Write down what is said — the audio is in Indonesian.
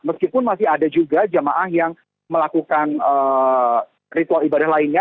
meskipun masih ada juga jamaah yang melakukan ritual ibadah lainnya